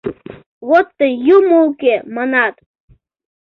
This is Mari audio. Вот тый, юмо уке, манат!